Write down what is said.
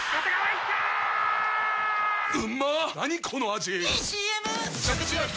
⁉いいＣＭ！！